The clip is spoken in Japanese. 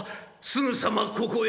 「すぐさまここへ」。